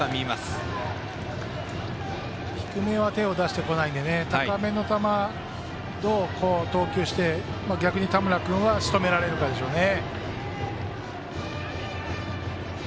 低めは手を出してこないので高めの球をどう投球して逆に田村君はしとめられるかでしょうね。